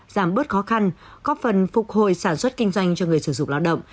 làm bước khó khăn có phần phục hồi sản xuất kinh doanh cho người sử dụng lao động